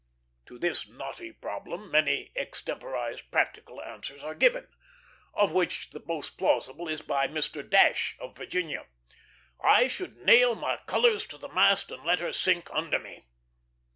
To this knotty problem many extemporized "practical" answers are given, of which the most plausible is by Mr. Dash, of Virginia "I should nail my colors to the mast and let her sink under me."